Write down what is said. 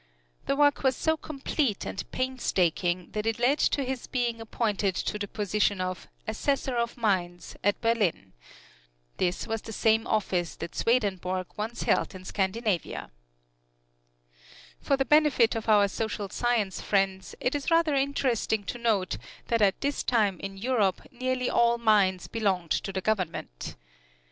The work was so complete and painstaking that it led to his being appointed to the position of "Assessor of Mines" at Berlin. This was the same office that Swedenborg once held in Scandinavia. For the benefit of our social science friends, it is rather interesting to note that at this time in Europe nearly all mines belonged to the Government.